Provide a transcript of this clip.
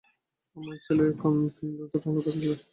আমার ছেলের কান তিন ধরে অনেক ব্যথা ছিলো।